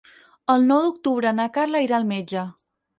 El nou d'octubre na Carla irà al metge.